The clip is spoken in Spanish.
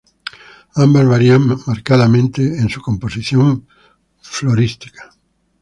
Ambas varían marcadamente en su composición florística.